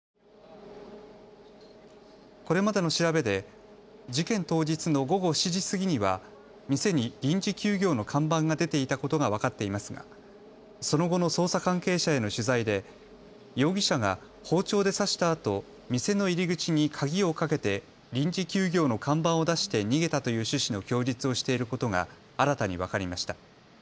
これまでの調べで事件当日の午後７時過ぎには店に臨時休業の看板が出ていたことが分かっていますがその後の捜査関係者への取材で容疑者が包丁で刺したあと店の入り口に鍵をかけて臨時休業の看板を出して逃げたという趣旨の供述をしていることが新たに分かりました。